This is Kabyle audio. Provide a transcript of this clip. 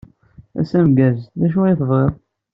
Ass ameggaz. D acu ay tebɣid?